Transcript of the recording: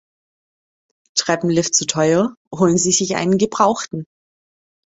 Treppenlift zu teuer? Holen Sie sich einen gebrauchten!